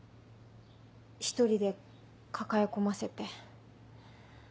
１人で抱え込ませて。